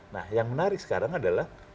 nah yang menarik sekarang adalah